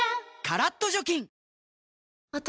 カラッと除菌頭